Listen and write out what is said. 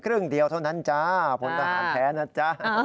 ครึ่งเดียวเท่านั้นจ้าพลทหารแท้นะจ๊ะ